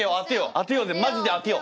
当てようぜマジで当てよう！